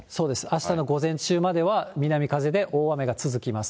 あしたの午前中までは南風で大雨が続きます。